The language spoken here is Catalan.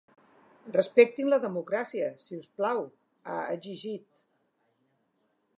Respectin la democràcia, si us plau, ha exigit.